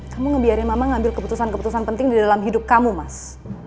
kamu ngebiarin mama ngambil keputusan keputusan penting di dalam hidup kamu mas